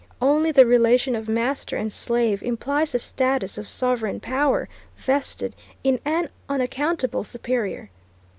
Only the relation of master and slave implies the status of sovereign power vested in an unaccountable superior.